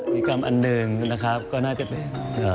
มีกรรมอันหนึ่งนะครับก็น่าจะเป็น